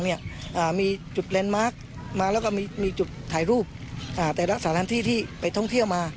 เนี้ยอ่ามีจุดมาแล้วก็มีจุดถ่ายรูปอ่าแต่ละสถานที่ที่ไปท่องเที่ยวมา